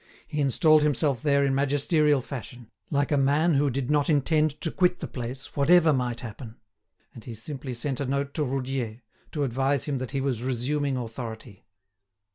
He installed himself there in magisterial fashion, like a man who did not intend to quit the place, whatever might happen. And he simply sent a note to Roudier, to advise him that he was resuming authority.